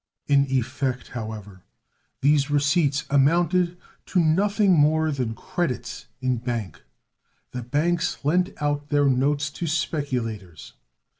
In effect, however, these receipts amounted to nothing more than credits in bank. The banks lent out their notes to speculators.